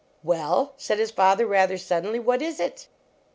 " "Well, "said his father, rather suddenly, " what is it?